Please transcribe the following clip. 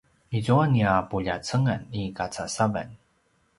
izua nia puljacengan i kacasavan